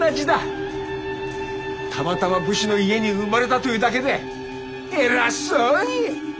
たまたま武士の家に生まれたというだけで偉そうに！